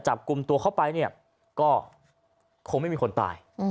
จับกลุ่มตัวเข้าไปเนี่ยก็คงไม่มีคนตาย